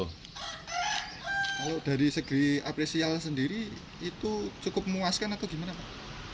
kalau dari segi apresial sendiri itu cukup memuaskan atau gimana pak